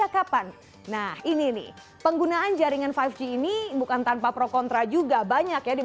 apa yang terjadi